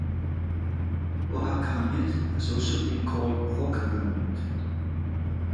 Ohagamiut has also been called "Okhogamute".